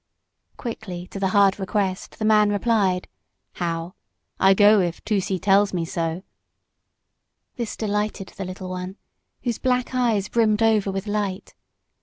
Quickly to the hard request the man replied, "How! I go if Tusee tells me so!" This delighted the little one, whose black eyes brimmed over with light.